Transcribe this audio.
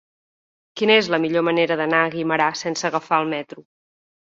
Quina és la millor manera d'anar a Guimerà sense agafar el metro?